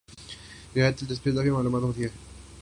غیر دلچسپ اور اضافی معلوم ہوتے ہیں